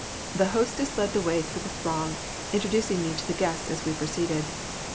The hostess led the way through the throng, introducing me to the guests as we proceeded.